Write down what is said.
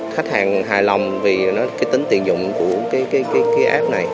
khách hàng hài lòng vì tính tiền dụng của cái app này